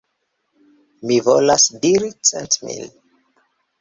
Mi volas diri cent mil.